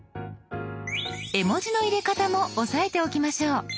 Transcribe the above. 絵文字の入れ方も押さえておきましょう。